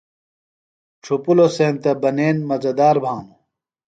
ڇُھپِلوۡ سینتہ بنین مزدار بھانوۡ۔